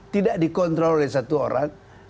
tidak dikontrol oleh satu orang